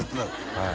はい